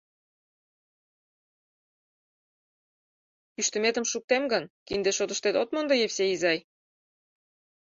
— Кӱштыметым шуктем гын, кинде шотыштет от мондо, Евсей изай?